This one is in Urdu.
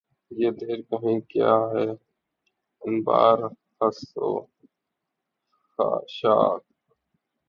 یہ دیر کہن کیا ہے انبار خس و خاشاک